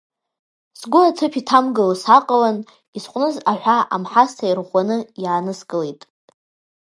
Сгәы аҭыԥ иҭамгыло сааҟалан, исҟәныз аҳәа амҳасҭа ирӷәӷәаны иааныскылеит.